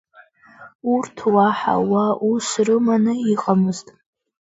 Урҭ уаҳа уа ус рыманы иҟамызт.